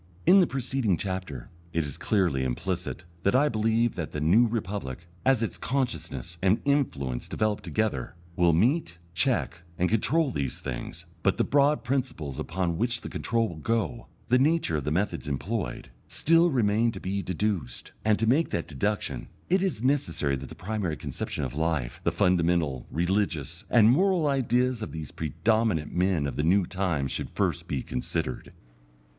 In the preceding chapter it is clearly implicit that I believe that the New Republic, as its consciousness and influence develop together, will meet, check, and control these things; but the broad principles upon which the control will go, the nature of the methods employed, still remain to be deduced. And to make that deduction, it is necessary that the primary conception of life, the fundamental, religious, and moral ideas of these predominant men of the new time should first be considered.